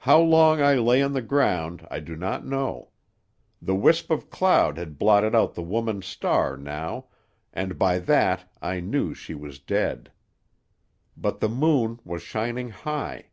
"How long I lay on the ground I do not know. The wisp of cloud had blotted out the woman's star, now, and by that I knew she was dead. But the moon was shining high.